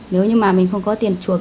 nếu như mà mình không có tiền chuộc